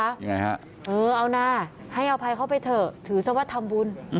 ยังไงฮะเออเอานะให้อภัยเขาไปเถอะถือซะว่าทำบุญ